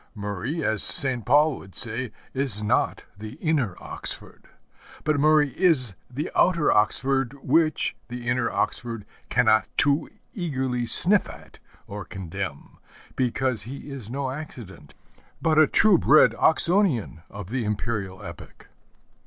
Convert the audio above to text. Murray, as St. Paul would say, is not the inner Oxford; but Murray is the outer Oxford which the inner Oxford cannot too eagerly sniff at or condemn; because he is no accident, but a true bred Oxonian of the Imperial epoch.